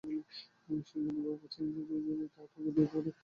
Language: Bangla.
সে ভয় পাচ্ছিল যে, সে বুঝি আর তা ঠেকিয়ে রাখতে পারবে না।